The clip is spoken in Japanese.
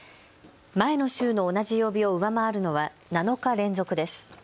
前の週の同じ曜日を上回るのは７日連続です。